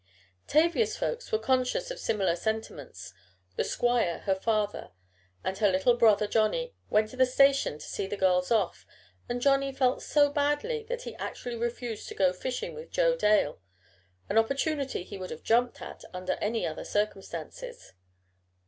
Tavia's folks were conscious of similar sentiments. The squire, her father, and her little brother Johnnie went to the station to see the girls off, and Johnnie felt so badly that he actually refused to go fishing with Joe Dale, an opportunity he would have "jumped at" under any other circumstances.